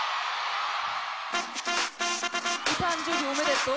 お誕生日おめでとう。